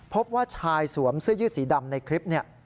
พบว่าชายสวมเสื้อยืดสีดำในคลิปนี้